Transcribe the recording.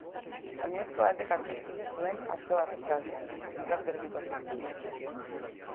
Oinezko batek aurkitu zuen atzo arratsaldean, zentral termikotik gertu.